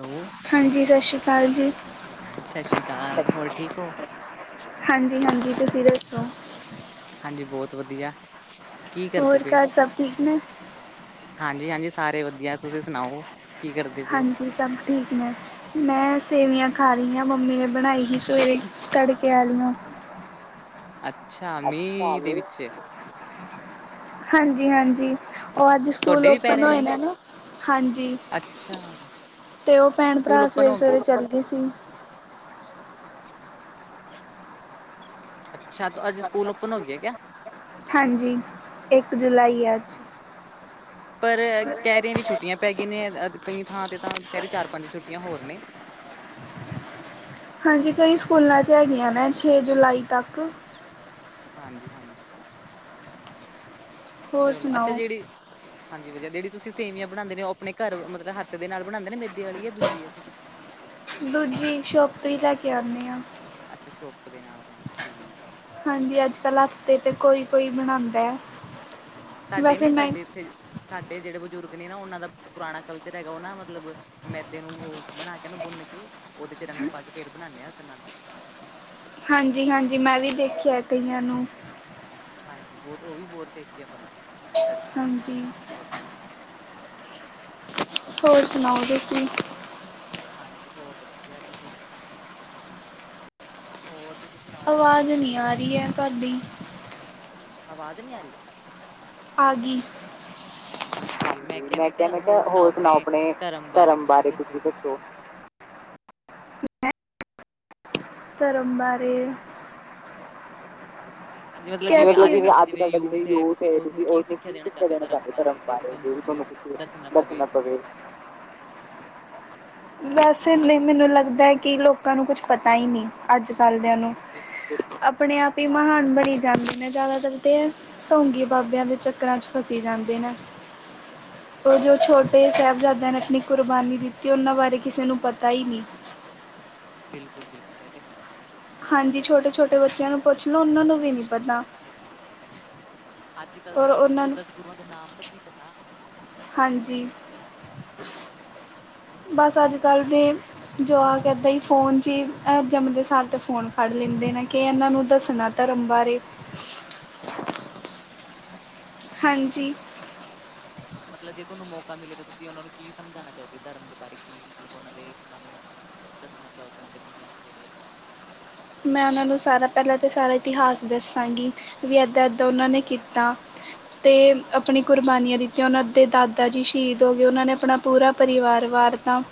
ਨੌ। ਹਾਂਜੀ ਸਤਿ ਸ਼੍ਰੀ ਅਕਾਲ ਜੀ। ਸਤਿ ਸ੍ਰੀ ਅਕਾਲ ਹੋਰ ਠੀਕ ਹੋ। ਹਾਂਜੀ ਹਾਂਜੀ ਤੁਸੀਂ ਦੱਸੋ। ਹਾਂਜੀ ਬਹੁਤ ਵਧੀਆ ਕੀ ਕਰਦੇ ਹੋਰ ਪਏ। ਘਰ ਸਭ ਠੀਕ ਨੇ ਹਾਂਜੀ ਹਾਂਜੀ ਸਾਰੇ ਵਧੀਆ ਤੁਸੀਂ ਸੁਣਾਓ ਕੀ ਕਰਦੇ ਪਏ। ਜੀ ਸਭ ਠੀਕ ਨੇ ਮੈਂ ਸੇਵੀਆਂ ਖਾ ਰਹੀ ਹਆਂ ਮੰਮੀ ਨੇ ਬਣਾਈ ਸੀ ਸਵੇਰੇ ਤੜਕੇ। [unintelligible] ਅੱਛਾ ਮੀਂਹ ਦੇ ਵਿੱਚ ਹਾਂਜੀ ਹਾਂਜੀ ਉਹ ਅੱਜ ਸਕੂਲ ਤੁਹਾਡੇ ਵੀ ਪੈ ਓਪਨ ਰਹੇ ਹੋਏ ਮੀਂਹ? ਨੇ ਨਾ। ਹਾਂਜੀ ਅੱਛਾ ਤੇ ਉਹ ਭੈਣ ਸਕੂਲ ਭਰਾ ਓਪਨ ਸਵੇਰੇ ਹੋ ਸਵੇਰੇ ਚੱਲ ਗਏ ਸੀ। ਅੱਛਾ ਅੱਜ ਸਕੂਲ ਓਪਨ ਹੋ ਗਿਆ ਕਿਆ। ਹਾਂਜੀ ਇੱਕ ਜੁਲਾਈ ਆ ਅੱਜ। ਪਰ ਕਹਿ ਰਹੇ ਵੀ ਛੁੱਟੀਆਂ ਪੈ ਗਈ ਨੇ ਕਈ ਥਾਂ ਤੇ ਤਾਂ ਕਹਿ ਰਹੇ ਚਾਰ ਪੰਜ ਛੁੱਟੀਆਂ ਹੋਰ ਨੇ। ਹਾਂਜੀ ਕਈ ਸਕੂਲਾਂ ' ਹੈਗੀਆਂ ਨੇ ਛੇ ਜੁਲਾਈ ਤੱਕ। ਹਾਂਜੀ ਹਾਂਜੀ। ਹੋਰ ਚਲੋ ਅੱਛਾ ਸੁਣਾਓ ਜਿਹੜੀ ਹਾਂਜੀ ਵਧੀ ਜਿਹੜੀ ਤੁਸੀਂ ਸੇਵੀਆਂ ਬਣਾਉਂਦੇ ਨੇ ਉਹ ਆਪਣੇ ਘਰ ਮਤਲਬ ਹੱਥ ਦੇ ਨਾਲ ਬਣਾਂਦੇ ਨੇ ਮੇਦੀ ਵਾਲੀ ਆ ਦੂਜੀ ਆ ਤੁਸੀਂ [inaudible] ਦੂਜੀ ਸ਼ੋਪ ਤੋਂ ਹੀ ਲੈ ਕੇ ਆਉਂਦੇ ਹਾਂ। ਅੱਛਾ ਸ਼ੁੱਪ ਦੇ ਨਾਲ ਰੈਣ ਠੀਕ ਆ। ਹਾਂਜੀ ਅੱਜ ਕੱਲ ਹਫ਼ਤੇ ਤੇ ਕੋਈ ਕੋਈ ਬਣਾਉਂਦਾ ਹੈ। ਸਾਡੇ ਵੈਸੇ ਨੀ ਮੈਂ ਸਾਡੇ ਇੱਥੇ ਸਾਡੇ ਜਿਹੜੇ ਬਜ਼ੁਰਗ ਨੇ ਨਾ ਉਹਨਾਂ ਦਾ ਪੁਰਾਣਾ ਕਲਚਰ ਹੈਗਾ ਉਹਨਾਂ ਮਤਲਬ ਮੈਦੇ ਨੂੰ ਬਣਾ ਕੇ ਨਾ ਗੁੰਨ ਕੇ ਉਹਦੇ ਚ ਰੰਗ ਪਾ ਕੇ ਫਿਰ ਬਣਾਉਂਦੇ ਹਾਂ ਹੱਥ ਨਾਲ ਹਾਂਜੀ ਹਾਂਜੀ ਮੈਂ ਵੀ ਦੇਖਿਆ ਕਈਆਂ ਨੂੰ ਹਾਂਜੀ ਬਹੁਤ ਉਹ ਵੀ ਬਹੁਤ ਟੇਸਟੀਆਂ ਬਣਦੀਆਂ ਨੇ ਤੜਕਾ ਲਾ ਹਾਂਜੀ ਕੇ ਹੋਰ ਸੁਣਾਓ ਤੁਸੀਂ ਹਾਂਜੀ ਹੋਰ ਵਧੀਆ ਜੀ ਠੀਕ ਠਾਕ ਹੋਰ ਨਾ ਓ ਮਤਲਬ ਆਪਨੇ ਅੱਧੀ ਆਵਾਜ਼ ਨੀ ਆ ਰੀ। ਆ ਗੀ। ਹਾਂਜੀ ਮੈਂ ਕਿਹਾ ਮੈਂ ਕਿਹਾ ਹੋਰ ਸੁਨਾਓ ਅਪਨੇ ਧਰਮ ਬਾਰੇ ਕੁੱਝ ਦੱਸੋ। ਧਰਮ ਬਾਰੇ ਮਤਲਬ ਜਿਵੇਂ ਅੱਜ-ਕੱਲ ਦਾ ਜਿਵੇਂ ਯੂਥ ਹੈ ਤੁਸੀਂ ਉਸਨੂੰ ਕੀ ਸਿੱਖਿਆ ਦੇਨਾ ਚਾਂਦੇ ਹੋ ਧਰਮ ਬਾਰੇ [unintelligible] ਤੁਹਾਨੂੰ। [unintelligible] ਵੈਸੇ ਨੀ ਮੈਨੂੰ ਲੱਗਦਾ ਐ ਕਿ ਲੋਕਾਂ ਨੂੰ ਕੁਛ ਪਤਾ ਈ ਨੀ। ਅੱਜ ਕੱਲਦਿਆਂ ਨੂੰ, ਹਾਂਜੀ ਆਪਣੇ ਆਪ ਹੀ ਮਹਾਨ ਬਣੀ ਜਾਂਦੇ ਨੇ ਜ਼ਿਆਦਾਤਰ ਤੇ ਏ, ਢੋਂਗੀ ਬਾਬਿਆਂ ਦੇ ਚੱਕਰਾਂ 'ਚ ਫਸੀ ਜਾਂਦੇ ਨੇ। ਓ ਜੋ ਛੋਟੇ ਸਾਹਿਬਜ਼ਾਦਿਆਂ ਨੇ ਅਪਨੀ ਕੁਰਬਾਨੀ ਦਿੱਤੀ ਓਨਾਂ ਬਾਰੇ ਕਿਸੇ ਨੂੰ ਪਤਾ ਹੀ ਨੀ। ਬਿਲਕੁਲ ਬਿਲਕੁਲ ਐ ਤੇ ਹੈ। ਹਾਂਜੀ ਛੋਟੇ-ਛੋਟੇ ਬੱਚਿਆਂ ਨੂੰ ਪੁੱਛ ਲੋਂ ਓਨਾਂ ਨੂੰ ਵੀ ਨੀ ਪਤਾ। ਅੱਜ ਕੱਲ ਤੇ ਔਰ ਕਿਸੇ ਉਹਨਾਂ ਨੂੰ ਦਸ ਗੁਰੂਆਂ ਦੇ ਨਾਮ ਤੱਕ ਨੀ ਪਤਾ। ਹਾਂਜੀ। ਬਸ ਅੱਜ-ਕੱਲ੍ਹ ਦੇ ਜੋਵਾਕ ਏਦਾਂ ਈ ਫੋਨ 'ਚ ਐ ਜੰਮਦੇ ਸਾਰ ਤੇ ਫੋਨ ਫੜ ਲੈਂਦੇ ਨੇ ਕਿ ਏਨਾਂ ਨੂੰ ਦੱਸਣਾ ਧਰਮ ਬਾਰੇ ਹ ਸਈ। ਹਾਂਜੀ। ਮਤਲਬ ਜੇ ਤੁਹਾਨੂੰ ਮੌਕਾ ਮਿਲੇ ਤੇ ਤੁਸੀਂ ਓਨਾਂ ਨੂੰ ਕੀ ਸਮਝਾਉਣਾ ਚਾਹੋਗੇ ਧਰਮ ਦੇ ਬਾਰੇ, ਕੀ ਮਤਲਬ ਓਨਾਂ ਦੇ ਓਨਾਂ ਨੂੰ ਦੱਸਣਾ ਚਾਹੋਗੇ ਓਨਾਂ ਦੇ ਨਿਯਮ ਜੇੜੇ ਆਪਣੇ ਮੈਂ ਓਨਾਂ ਨੂੰ ਸਾਰਾ ਪਹਿਲਾਂ ਤਾਂ ਸਾਰਾ ਇਤਿਹਾਸ ਦੱਸਾਂਗੀ ਵੀ ਏਦਾਂ ਏਦਾਂ ਓਨਾਂ ਨੇ ਕੀਤਾ। ਤੇ ਆਪਣੀ ਕੁਰਬਾਨੀਆਂ ਦਿੱਤੀਆਂ ਓਨਾਂ ਦੇ ਦਾਦਾ ਜੀ ਸ਼ਹੀਦ ਹੋ ਗਏ ਓਨਾਂ ਨੇ ਆਪਣਾ ਪੂਰਾ ਪਰਿਵਾਰ ਵਾਰ ਤਾ।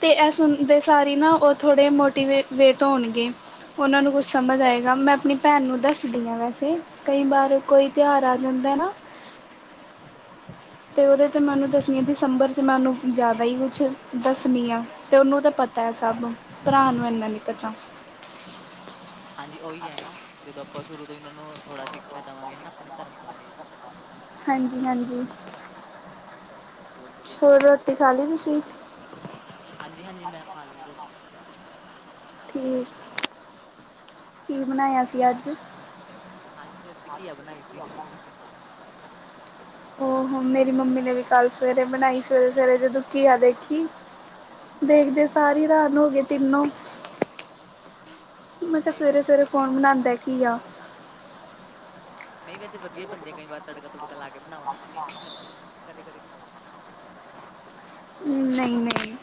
ਤੇ ਐ ਸੁਨਦੇ ਸਾਰ ਈ ਨਾ ਓ ਥੋੜੇ ਮੋਟੀਵੇ ਵੇਟ ਹੋਨਗੇ, ਓਨਾਂ ਨੂੰ ਕੁਛ ਬਿਲਕੁਲ, ਬਿਲਕੁਲ। ਸਮਝ ਆਏਗਾ। ਯਾ ਮੈਂ ਆਪਨੀ ਭੈਣ ਨੂੰ ਦੱਸਦੀ ਹਾਂ ਵੈਸੇ ਕਈ ਵਾਰ ਕੋਈ ਤਿਉਹਾਰ ਆ ਜਾਂਦਾ ਐ ਨਾ। [unintelligible] ਤੇ ਓਦੇ ਤੇ ਮੈਨੂੰ ਓਨੂੰ ਅੱਛਾ। ਦਸਨੀ ਦਸੰਬਰ ਜੇ ਮੈਂ ਓਨੂੰ ਜ਼ਿਆਦਾ ਈ ਕੁਛ ਦੱਸਣੀ ਆਂ ਤੇ ਓਨੂੰ ਤਾਂ ਪਤਾ ਐ ਸਭ। ਭਰਾ ਨੂੰ ਇੰਨਾ ਨੀ ਪਤਾ। ਹਾਂਜੀ ਓਈ ਹੈ ਨਾ ਜਦੋਂ ਆਪਾਂ ਸ਼ੁਰੂ ਤੋਂ ਹੀ ਓਨਾਂ ਨੂੰ ਥੋੜ੍ਹਾ ਸਿੱਖ ਸਿੱਖਿਆ ਦਵਾਂਗੇ ਹਨਾ, ਅਪਣੇ ਧਰਮ ਬਾਰੇ ਤਾਂ ਹਾਂਜੀ-ਹਾਂਜੀ, ਚਲੋ ਬਹੁਤ ਵਧੀਆ ਗੱਲ ਆ ਹੋਰ ਰੋਟੀ ਖਾ ਲੀ ਤੁਸੀ? ਹਾਂਜੀ-ਹਾਂਜੀ ਮੈਂ ਖਾ ਲੀ ਰੋ ਠੀਕ, ਕੀ ਬਣਾਇਆ ਸੀ ਅੱਜ? ਅੱਜ ਅਸੀਂ ਘੀਆ ਬਨਾਈ ਸੀ। ਓ ਹੋ ਮੇਰੀ ਮੰਮੀ ਨੇ ਵੀ ਕੱਲ ਸਵੇਰੇ ਬਣਾਈ ਸਵੇਰੇ-ਸਵੇਰੇ ਜਦੋਂ ਘੀਆ ਦੇਖੀ। ਦੇਖਦੇ ਸਾਰ ਈ ਰਰਾਨ ਹੋ ਗਏ ਤਿੰਨੋ। ਮੈਂ ਕਿਹਾ ਫਿਰ ਸਵੇਰੇ-ਸਵੇਰੇ ਕੌਣ ਬਣਾਂਦਾ ਐ ਘੀਆ। ਨਹੀਂ ਵੈਸੇ ਵਧੀਆ ਬਣਦੀ ਕਈ ਵਾਰ ਤੜਕਾ- ਤੂੜਕਾ ਲਾ ਕੇ ਬਣਾਓ ਨਾ ਤੇ ਲੱ ਕਦੇ- ਕਦੇ ਖਾਓ। ਨਹੀਂ- ਨਹੀਂ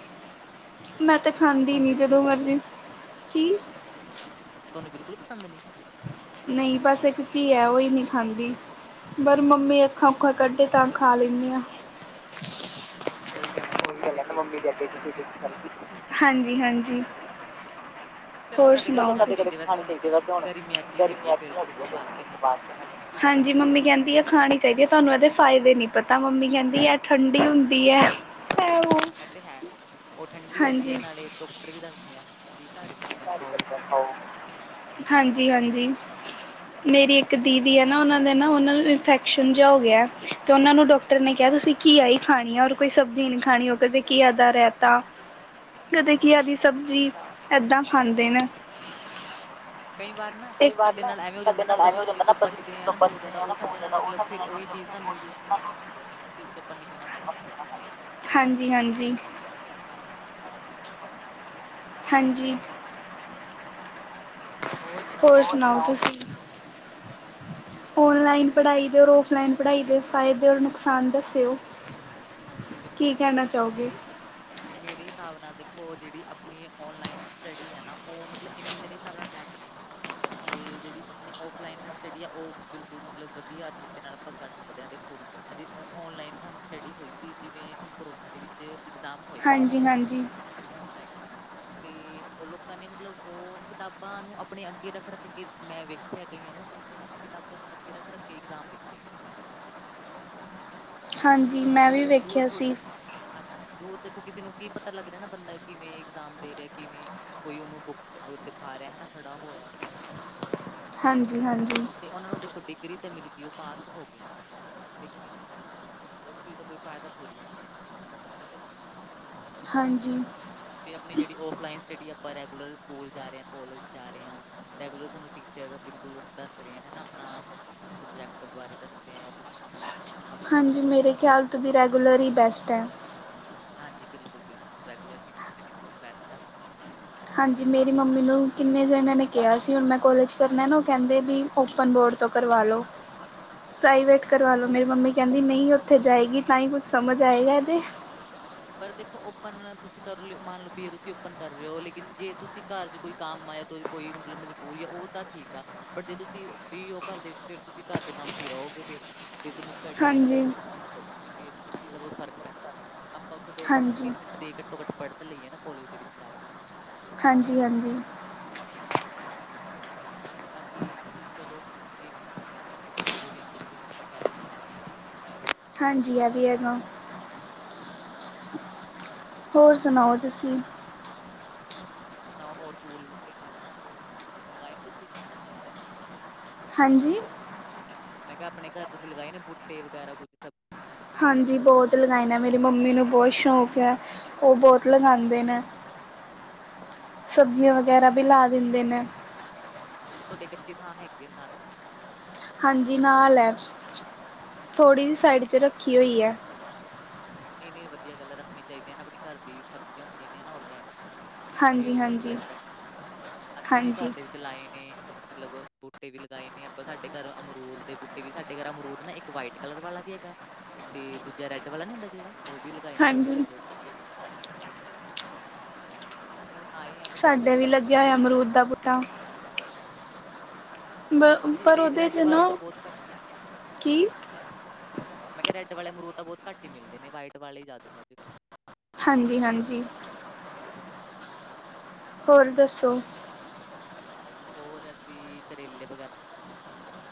ਮੈਂ ਤੇ ਅੱਛਾ ਖਾਂਦੀ ਤੁਹਾਨੂੰ ਨਹੀਂ ਬਿਲਕੁਲ ਜਦੋਂ ਮਰਜ਼ੀ ਕੀ ਤੁਹਾਨੂੰ ਬਿਲਕੁਲ ਪਸੰਦ ਨੀ? ਨਹੀਂ ਬਸ ਇੱਕ ਘਿਆ ਉਹਹੀ ਨਹੀਂ ਖਾਂਦੀ। ਪਰ ਮੰਮੀ ਅੱਖਾਂ- ਔੱਖਾਂ ਕੱਢਦੇ ਤਾਂ ਖਾ ਲੈਂਦੇ ਆ। ਉਹੀ ਗੱਲ ਹੈ ਨਾ ਮੰਮੀ ਦੇ ਅੱਗੇ ਕਿਸੇ ਦੇ ਨੀ ਚੱਲਦੀ, ਹਾਂਜੀ- ਹਾਂਜੀ। ਚਲੋ ਹੋਰ ਕਦੇ-ਕਦੇ ਸੁਨਾੳ? ਖਾਣੀ ਚਾਹੀਦੀ ਵੈਸੇ ਹੁਣ ਗਰਮੀਆਂ 'ਚ ਈ ਹੈਗੀ ਆ ਫਿਰ ਉਸ ਤੋਂ ਬਾਅਦ ਤੇ ਹੈ ਈ ਨੀ ਆ, ਹਾਂਜੀ ਮੰਮੀ ਕਹਿੰਦੀ ਹੈ ਖਾਣੀ ਚਾਹੀਦੀ ਹੈ ਤੁਹਾਨੂੰ ਇਹਦੇ ਫਾਇਦੇ ਨੀ ਪਤਾ, ਮੰਮੀ ਕਹਿੰਦੀ ਹੈ ਠੰਡੀ ਹੁੰਦੀ ਹੈ। ਹੈ ਉਹ ਹਾਂ ਇਹ ਤੇ ਹੈ ਉਹ ਠੰਡੀ ਹੁੰਦੀ ਹੈ, ਹਾਂਜੀ ਨਾਲੇ ਡਾਕਟਰ ਵੀ ਦੱਸਦੇ ਆ ਵੀ ਤਾਂ ਹਾਰੀ ਸਬਜ਼ੀਆਂ ਖਾਓ। ਹਾਂਜੀ- ਹਾਂਜੀ। ਮੇਰੀ ਇੱਕ ਦੀਦੀ ਹੈ ਨਾ ਉਹਨਾਂ ਦੇ ਨਾ ਉਹ ਨੂੰ ਇਨਫੈਕਸ਼ਨ ਜਿਹਾ ਹੋ ਗਿਆ ਤੇ ਉਹ ਨੂੰ ਡਾਕਟਰ ਡਾਕਟਰ ਨੇ ਕਿਹਾ ਤੁਸੀਂ ਘੀਆ ਹੀ ਖਾਣੀ ਆ ਔਰ ਕੋਈ ਸਬਜ਼ੀ ਨਹੀਂ ਖਾਣੀ ਉਹ ਕਦੇ ਘੀਆ ਦਾ ਰਾਇਤਾ। ਕਦੇ ਘੀਆ ਦੀ ਅੱਛਾ ਸਬਜ਼ੀ ਏਦਾਂ ਖਾਂਦੇ ਨੇ। ਕਈ ਵਾਰ ਨਾ ਸਾਡੇ ਨਾਲ ਐਵੇਂ ਹੋ ਜਾਂਦਾ ਨਾ ਆਪਾਂ ਜਿਸ ਚੀਜ਼ ਤੋਂ ਬਚਦੇ ਹਾਂ ਨਾ ਬਹੁਤ ਜ਼ਿਆਦਾ ਉਹ ਸਾਡੇ ਨਾਲ ਮਤਲਬ ਫੇਰ ਉਹੀ ਚੀਜ਼ ਸਾਨੂੰ ਯੂ- ਪਹਿਨ ਹੈ ਚ ਉੱਪਰ [unintelligible] ਨਿਕਲਣਾ ਪਹਿਨ ਦਾ ਹਾਂਜੀ- ਹਾਂਜੀ। ਤੇ ਘਰ ਧੋਤਾ ਐ। ਹਾਂਜੀ। ਹੋਰ ਸੁਣਾਓ ਤੁਸੀਂ? ਔਨਲਾਈਨ ਪੜਾਈ ਕਰੋ ਔਰ ਆਫਲਾਈਨ ਪੜਾਈ ਦੇ ਫਾਇਦੇ ਔਰ ਨੁਕਸਾਨ ਦੱਸੋ। ਹਾਂਜੀ ਦੇਖੋ ਮੇਰੇ- ਮੇਰੇ ਹਿਸਾਬ ਨਾਲ ਦੇਖੋ ਜਿਹੜੀ ਆਪਣੀ ਐ ਔਨਲਾਈਨ ਸਟੱਡੀ ਹੈ ਨਾ ਉਹ ਮਤਲਬ ਇੰਨੀ ਮੇਰੇ ਹਿਸਾਬ ਨਾਲ ਬੈਟਰ ਨਹੀਂ ਹੈ। ਤੇ ਜਿਹੜੀ ਆਪਣੀ ਔਫਲਾਈਨ ਸਟੱਡੀ ਆ ਉਹ ਬਿਲਕੁਲ ਮਤਲਬ ਵਧੀਆ ਤਰੀਕੇ ਨਾਲ ਆਪਾਂ ਕਰ ਸਕਦੇ ਹਾਂ ਦੇਖੋ। ਅਜੇ ਔਨਲਾਈਨ ਹੁਣ ਸਟੱਡੀ ਹੋਈ। ਜਿਵੇਂ ਹੁਣ ਕੋਰੋਨਾ ਦੇ ਵਿੱਚ ਇਗਜ਼ਾਮ ਹੋਏ ਸੀ ਹਾਂਜੀ ਲੋਕਾਂ ਦੇ ਹਾਂਜੀ ਹਨਾ ਔਨਲਾਈਨ। ਤੇ ਉਹ ਲੋਕਾਂ ਨੇ ਮਤਲਬ ਉਹ ਕਿਤਾਬਾਂ ਨੂੰ ਆਪਣੇ ਅੱਗੇ ਰੱਖ- ਰੱਖ ਕੇ ਮੈਂ ਵੇਖਿਆ ਕਈਆਂ ਨੂੰ ਉਹਨਾਂ ਨੇ ਕਿਤਾਬਾਂ ਦੇ ਅੱਗੇ ਰੱਖ- ਰੱਖ ਕੇ ਇਗਜ਼ਾਮ ਦਿੱਤੇ ਨੇ ਮਤਲਬ। ਆਪਣੇ ਤੇ ਹਾਂਜੀ ਦੂਰ ਮੈਂ ਕਿ ਵੀ ਦੂਰ ਵੇਖਿਆ ਸੀ ਹਾਂਜੀ ਦੂਰ ਦੇਖੋ ਕਿਸੇ ਨੂੰ ਕੀ ਪਤਾ ਲੱਗ ਰਿਹਾ ਨਾ ਬੰਦਾ ਕਿਵੇਂ ਇਗਜ਼ਾਮ ਦੇ ਰਿਹਾ ਕਿਵੇਂ। ਕੋਈ ਉਹਨੂੰ ਬੁੱਕ ਦਿਖਾ ਰਿਹਾ ਹੈ ਨਾ ਖੜਾ ਹੋਇਆ ਸਾਈਡ। ਹਾਂਜੀ- ਹਾਂਜੀ। ਤੇ ਉਹਨਾਂ ਨੂੰ ਦੇਖੋ ਡਿਗਰੀ ਤਾਂ ਮਿਲ ਗਈ ਉਹ ਪਾਸ ਤੇ ਹੋ ਗਏ, ਲੇਕਿਨ ਉਹ ਚੀਜ਼ ਦਾ ਕੋਈ ਫਾਇਦਾ ਥੋੜੀ ਹੈ ਨਾ ਜਿਦਾਂ ਫਾਇਦਾ ਤੇ ਹੈ। ਹਾਂਜੀ। ਤੇ ਆਪਣੀ ਜਿਹੜੀ ਔਫਲਾਈਨ ਸਟੱਡੀ ਆਪਾਂ ਰੈਗੂਲਰ ਸਕੂਲ ਜਾ ਰਹੇ ਹਾਂ, ਕੋਾਲਜ ਜਾ ਰਹੇ ਹਾਂ ਰੈਗੂਲਰ ਸਾਨੂੰ ਟੀਚਰ ਬਿਲਕੁਲ ਦੱਸ ਰਹੇ ਆ ਹਨਾ ਆਪਣਾ ਆਪ। ਪ੍ਰੋਜੈਕਟ ਬਾਰੇ ਦੱਸਦੇ ਆ ਜਾਂ ਕੁਛ ਵੀ ਆਪਣਾ ਹਾਂਜੀ ਸਾਨੂੰ ਮੇਰੇ ਮਤਲਬ ਖਿਆਲ ਤੋਂ ਵੀ ਰੈਗੂਲਰ ਹੀ ਬੈਸਟ ਹੈ। ਹਾਂਜੀ ਬਿਲਕੁਲ- ਬਿਲਕੁਲ ਰੈਗੂਲਰ ਸਟਡੀ ਬਹੁਤ ਬੈਸਟ ਆ। ਹਾਂਜੀ ਮੇਰੀ ਮੰਮੀ ਨੂੰ ਵੀ ਕਿੰਨੇ ਜਨਾਂ ਨੇ ਕਿਹਾ ਸੀ ਹੁਣ ਮੈਂ ਕੋਲਜ ਕਰਨਾ ਨਾ ਉਹ ਕਹਿੰਦੇ ਵੀ ਓਪਨ ਬੋਰਡ ਕਿਥੋਂ ਕਰਵਾ ਰਹੇ ਹੋ? ਪ੍ਰਾਈਵੇਟ। ਕਰਵਾ ਲੋ ਔ ਮੇਰੀ ਮੰਮੀ ਕੈਂਦੀ ਨਹੀਂ ਉੱਥੇ ਜਾਏਗੀ ਤਾਂ ਹੀ ਕੁੱਝ ਸਮਝ ਆਏਗਾਦੇ ਪਰ ਦੇਖੋ ਓਪਨ ਤੁਸੀਂ ਕਰੋ ਮੰਨ ਲਓਭਏ ਤੁਸੀਂ ਓਪਨ ਕਰ ਰਹੇ ਹੋ ਲੇਕਿਨ ਜੇ ਤੁਸੀਂ ਘਰ ਚ ਕੋਈ ਕੰਮ ਆਇਆ ਕੋਈ ਮਤਲਬ ਮਜਬੂਰੀ ਆ ਉਹ ਤਾਂ ਠੀਕ ਆ। ਬਟ ਜੇ ਤੁਸੀਂ ਫਰੀ ਹੋ ਘਰ ਦੇ ਵਿੱਚ ਫਿਰ ਤੁਸੀਂ ਘਰ ਦੇ ਕੰਮ ਚ ਹੀ ਰਹੋਗੇ ਫੇਰ ਤੇ ਤੁਹਾਨੂੰ ਸਟਡੀ ਤੇ ਇਫੈਕਟ ਹਾਂਜੀ ਪਏਗਾ ਇਸ ਚੀਜ਼ ਦਾ ਬੋਤ ਫ਼ਰਕ ਪੈਂਦਾ ਆਪਾਂ ਉੱਥੇ ਦੋ ਘੰਟੇ ਹਾਂਜੀ ਤਿੰਨ ਘੰਟੇ ਦੀ ਘੱਟੋ ਘੱਟ ਪੜ੍ਹ ਤੇ ਲਈਏ ਨਾ ਕੋਲੇਜ ਦੇ ਵਿੱਚ ਜਾ ਕੇ ਹਨਾ। ਹਾਂਜੀ, ਹਾਂਜੀ ਐਥ ਦੋਜਨ [unintelligible] ਬਾਕੀ ਚਲੋ ਜਿਵੇਂ ਕਈਆਂ ਦੀ ਮਜਬੂਰੀਆਂ ਵੀ ਹੁੰਦੀ ਨੇ ਆਪਾ ਕੈ ਵੀਨੀ ਸਕਦੇ ਹਾਂਜੀ ਆ ਵੀਇਹੋਂ ਹੋਰ ਸੁਣਾਓ ਤੁਸੀਂ ਹੋਰ ਵਧੀਆ ਤੁਸੀਂ ਸੁਣਾਓ ਹੋਰ ਫੂਲ ਬੂਟੇ ਬਾਰੇ ਕੁੱਝ ਲਗਾਏ ਤੁਸੀਂ ਫੁੱਲ ਵਗੈਰਾ ਹਾਂਜੀ ਮੈਂ ਕੇਹਾ ਆਪਣੇ ਘਰ ਤੁਸੀਂ ਲਗਾਏ ਨੇ ਬੂਟੇ ਵਗੈਰਾ ਕੁੱਝ ਸ ਹਾਂਜੀ ਬੋਤ ਲਗਾਏ ਨੇ ਮੇਰੀ ਮੰਮੀ ਨੂੰ ਬੋਤ ਸ਼ੌਕ ਹੈ ਉਹ ਬੋਤ ਲਗਾਂਦੇ ਨੇ ਸਬਜ਼ੀਆਂ ਵਗੈਰਾ ਵੀ ਲਾ ਦਿੰਦੇ ਨੇ ਤੁਹਾਡੇੱ ਕਚੀ ਥਾਂ ਹੈਗੀ ਹੈ ਲਗਾਉਣਾ ਹਾਂਜੀ ਨਾਲ ਏ ਥੋੜ੍ਹੀ ਅੱਛਾ, ਜੀ ਸਾਈਡ ਚ ਰੱਖੀ ਹੋਈ ਏ ਨੀ ਨੀ ਵਧੀਆ ਗਾਲੱ ਏ ਰੱਖਣੀ ਚਾਹੀਦੀਆਂ ਆਪਣੇ ਘਰ ਦੀ ਸਬਜ਼ੀਆਂ ਹੁੰਦੀਆਂ ਨੇ ਔਰਗੈਨਿਕ ਤੇ ਹਾਂਜੀ ਉਹ ਹਾਂਜੀ ਬੋਤ ਬੈਿ ਅਸੀ ਵੀ ਘਰ ਹਾਂਜੀ ਦੇ ਵਿੱਚ ਲਾਏ ਨੇ ਮਤਲਬ ਬੂਟੇ ਵੀ ਲਗਾਏ ਨੇ ਆਪਾਂ ਸਾਡੇ ਘਰ ਅਮਰੂਦ ਦੇ ਬੂਟੇ ਵੀ ਸਾਡੇ ਘਰ ਅਮਰੂਦ ਨਾ ਇੱਕ ਵਾਈਟ ਕਲਰ ਵਾਲਾ ਵੀ ਹੈਗਾ ਤੇ ਦੂਜਾ ਰੈੱਡ ਵਾਲਾ ਨੀ ਹੁੰਦਾ ਜੇੜਾ ਉਹ ਵੀ ਲਗਾਏ ਨੇ ਸਾਡੇ ਘਰ ਹਾਂਜੀ ਦੋ ਬੂਟੇ ਲੱਗੇਏ ਹੁਣ ਆਏ ਆ ਬਟ ਅਜੇ ਸਾਡੇ ਵੀ ਕੱਚੇ ਨੇ ਲੱਗਿਆ ਹੋਇਆ ਅਮਰੂਦ ਦਾ ਬੂਟਾ ਬ ਪਰ ਜਿਹੜੇ ਉਹਦੇ 'ਚ ਰੈੱਡ ਵਾਲੇ ਨਾ ਤਾਂ ਬੋਹਤ ਕੱਟ ਕੀ [unintelligible] ਹਾਂਜੀ ਹਾਂਜੀ ਮੈਂ ਕੇਆ ਰੈਡ ਵਾਲੇ ਮਰੂ ਦ ਤਾਂ ਬੋਤ ਘੱਟ ਈ ਮਿਲਦੇ ਨੇ ਵਾਈਟ ਵਾਲੇ ਹੀ ਜਾਂਦੇ ਨੇ ਅੱਜ ਕੱਲ੍ਹ। ਹਾਂਜੀ, ਹਾਂਜੀ ਹੋਰ ਦੱਸੋ ਹੋਰ ਅਸੀਂ ਕਰੇਲੇ ਵਗੈਰਾ [unintelligible]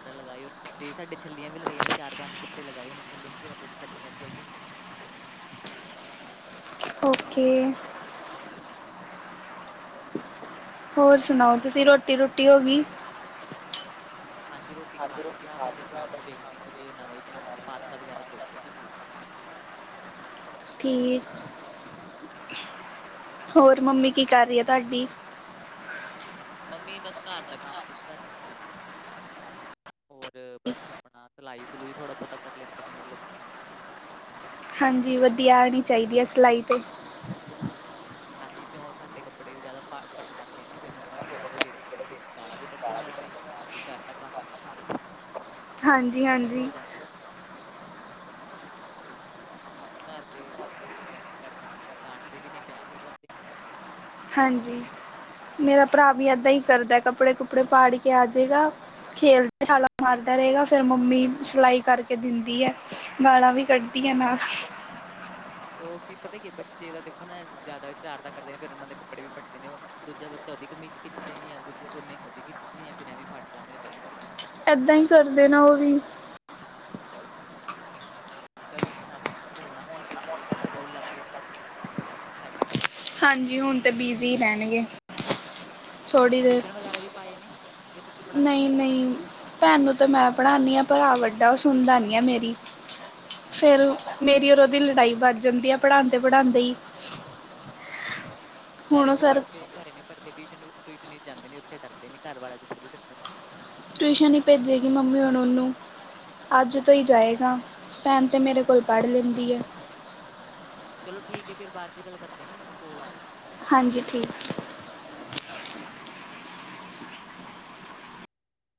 ਵਗੈਰਾ ਲਗਾਏ ਹੋ ਤੇ ਸਾਡੇ ਛੱਲੀਆਂ ਵੀ ਲਗਾਈਆਂ ਨੇ ਚਾਰ ਪੰਜ ਬੂਟੇ ਲਗਾਏ ਹੋਏ ਨੇ ਛੱਲੀਆਂ ਦੇ ਹਦੇ ਛੱਲੀਆਂ ਵੀ ਆਈਆਂ ਹੋਈਆਂ ਨੇ। ਓਕੇ ਹੋਰ ਸੁਣਾਓ ਤੁਸੀਂ ਰੋਟੀ ਰੋਟੀ ਹੋ ਗੀ ਹਾਂਜੀ ਰੋਟੀ ਖਾ ਲਈ ਆ ਬਸ ਸ਼ਾਮ ਨੂੰ ਵੇਖਦੇ ਕੁੱਝ ਨਵਾਂ ਹੀ ਬਣਾਵਾਂਗੇ ਪਾਸਤਾ ਵਗੈਰਾ ਸੋਚ ਰਹੇ ਸੀ ਪਾਸਤਾ ਬਣਾਵਾਂਗੇ ਠੀ ਹੋਰ [unintelligible] ਹੋਰ ਮੰਮੀ ਕੀ ਕਰ ਰੀ ਆ ਤੁਸੀਂ ਤਾੱਡੀ। ਮੰਮੀ ਬਸ ਘਰ ਦਾ ਕੰਮ ਕੁਮ ਕਰ ਲੈਂਦੇ ਤੇ ਹੋਰ ਬਸ ਆਪਣਾ ਸਲਾਈ ਸਲੂਈ ਥੋੜ੍ਹਾ ਬੋਤਾ ਕਰ ਲੈਂਦੇ ਨੇ ਮਤਲਬ ਹਾਂਜੀ ਵਧੀਆ ਆਣੀ ਚਾਹੀਦੀ ਏ ਸਿਲਾਈ 'ਤੇ ਹਾਂਜੀ ਕਿਉਂ ਸਾਡੇ ਕੱਪੜੇ ਵੀ ਜ਼ਾਦਾ ਪੱਟ ਜਾਂਦੇ ਆ ਨਾ ਫੇਰ ਮੰਮਾ ਸੀਕੇ ਤੇ ਦੇ ਦਿੰਦੇ ਨੇ ਗਾਲਾਂ ਵੀ ਕੱਢਦੇ ਨੇ ਨਾਲੇ ਕਰਰ ਦਾ ਕੰਮ [unintelligible] ਹਾਂਜੀ ਮੈਗਾ ਹਾਂਜੀ ਹੋ ਜਾਂਦਾ ਹਾਂਜੀ [unintelligible] ਘਰ ਦੇ ਤਾਂ ਬੇ ਕਰਦੇ ਨੇ ਡਾਂਟਦੇ ਵੀ ਨੇ ਪਿਆਰ ਵੀ ਕਰਦੇ ਹਾਂਜੀ ਮੇਰਾ ਨੇ ਭਰਾ ਘਰ ਵੀ ਦੇ ਏਦਾਂ ਈ ਚਲਦਾ ਕੱਪੜੇ ਕੁਪੜੇ ਪਾੜ ਕੇ ਆਜੇਗਾ। ਖੇਲਦੇ ਛਾਲਾ ਮਾਰਦਾ ਰਹੇਗਾ ਫਿਰ ਮੰਮੀ ਸਲਾਈ ਕਰਕੇ ਦਿੰਦੀ ਹੈ ਗਾਲਾਂ ਵੀ ਕੱਢ [unintelligible] ਨਾਲ ਉਹ ਉਹ ਕੀ ਪਤਾ ਕੀ ਬੱਚੇ ਦਾ ਦੇਖੋ ਨਾ ਜ਼ਿਆਦਾ ਸ਼ਰਾਰਤਾਂ ਦਾ ਕਰਦੇ ਨੇ ਫਿਰ ਉਹਨਾਂ ਦੇ ਕੱਪੜੇ ਵੀ ਪੱਟਦੇ ਨੇ ਉਹ ਦੂਜਾ ਬੱਚਾ ਉਹਦੀ ਕਮੀਜ਼ ਖਿੱਚ ਦੇਣੀ ਆ ਦੂਜੇ ਉਹਨੇ ਉਹਦੀ ਖਿੱਚਦੀ ਹੈ ਫਿਰ ਐਵੇਂ ਫੱਟ ਜਾਂਦੇ ਨੇ ਬੱਟਰ ਫੱਟ ਜਾਂਦੇ ਨੇ ਇੱਦਾਂ ਹੀ ਕਰਦੇ ਨਾ ਉਹ ਵੀ ਹਾਂ ਗਲੀਆਂ ਚ ਘੁੰਮਣਾ ਹੁਣ ਤੇ ਚਲੋ ਸਕੂਲ ਲੱਗੇ ਨੇ ਹੁਣ ਥੋੜਾ ਬਹੁਤ ਹਾਂਜੀ ਹੁਣ ਤਾਂ ਬਿਜ਼ੀ ਰਹਿਣਗੇ ਥੋੜੀ ਦੇਰ ਟਿਊਸ਼ਨ ਵਗੈਰਾ ਵੀ ਪਾਏ ਨੇ ਇਹ ਤੁਸੀਂ ਪੜ੍ਹਾਉਂਦੇ ਹੋ ਘਰੇ ਨਹੀਂ-ਨਹੀਂ। ਭੈਣ ਨੂੰ ਤੇ ਮੈਂ ਪੜ੍ਹਾਉਂਦੀ ਹਾਂ। ਭਰਾ ਵੱਡਾ ਉਹ ਸੁਣਦਾ ਨੀ ਆ ਮੇਰੀ ਅੱਛਾ ਫਿਰ ਵੱਡਾ ਹੈ ਮੇਰੀ ਉਹਦੀ ਲੜਾਈ ਵਧ ਜਾਂਦੀ ਆ ਪੜਾਂਦੇ ਪੜ੍ਹਾਉਦੇ ਹੀ। ਹੁਣ ਘਰੇ ਉਹ ਨੀ ਸਰ ਪੜ੍ਹਦੇ ਘਰੇ ਨੀ ਪੜ੍ਹਦੇ ਟਿਊਸ਼ਨ ਟਿਊਸ਼ਨ ਜਾਂਦੇ ਨੇ ਉੱਥੇ ਡਰਦੇ ਨੇ ਘਰ ਵਾਲਿਆਂ ਤੋਂ ਥੋੜ੍ਹੀ ਡਰਦੇ ਨੇ ਟਿਊਸ਼ਨ ਹੀ ਭੇਜੇਗੀ ਮੰਮੀ ਹੁਣ ਉਹਨੂੰ ਅੱਜ ਤੋਂ ਹੀ ਜਾਵੇਗਾ ਭੈਣ ਤਾਂ ਮੇਰੇ ਕੋਲ ਪੜ੍ਹ ਲੈਂਦੀ ਹੈ। ਚਲੋ ਠੀਕ ਹੈ। ਫਿਰ ਬਾਦ ਚ ਗੱਲ ਕਰਦੇ ਹਾਂ ਮੈਨੂੰ ਕੋਲ ਆ ਰਈ। ਹਾਂਜੀ ਠੀਕ।